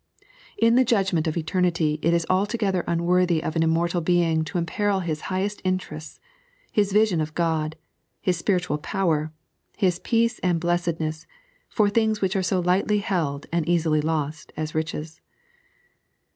In the judgment of eternity it is altogether unworthy of an immortal being to imperil his highest interests, his vision of God, his spiritual power, his peace and blessedness, for things which are so lightly held and easily lost as riches.